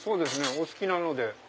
お好きなので。